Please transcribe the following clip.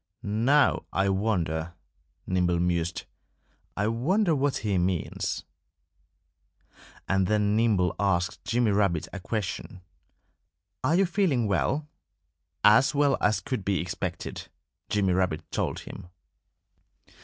"Now, I wonder " Nimble mused "I wonder what he means." And then Nimble asked Jimmy Rabbit a question: "Are you feeling well?" "As well as could be expected!" Jimmy Rabbit told him.